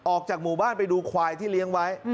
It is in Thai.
ออกจากหมู่บ้านไปดูควายที่เลี้ยงไว้